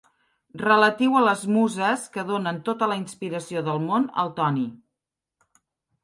Relatiu a les muses que donen tota la inspiració del món al Toni.